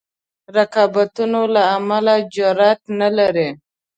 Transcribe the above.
رقابتونو له امله جرأت نه لري.